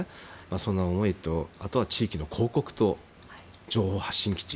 そんな思いとあとは地域の広告塔情報発信基地